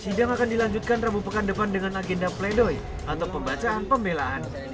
sidang akan dilanjutkan rabu pekan depan dengan agenda pledoi atau pembacaan pembelaan